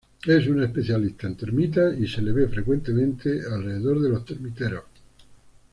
Es un especialista en termitas, y se le ve frecuentemente alrededor de los termiteros.